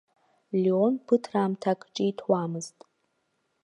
Леон ԥыҭраамҭак ҿиҭуамызт.